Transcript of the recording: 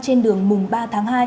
trên đường mùng ba tháng hai